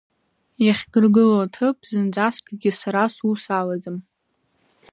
Иахьдыргыло аҭыԥ зынӡаскгьы сара сус алаӡам.